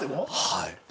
はい。